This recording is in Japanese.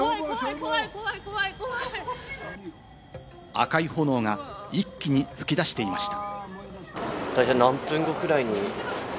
赤い炎が一気に噴き出していました。